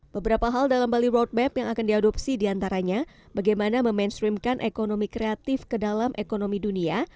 beberapa hal dalam bali roadmap yang akan diadopsi diantaranya bagaimana memainstreamkan ekonomi kreatif ke dalam ekonomi dunia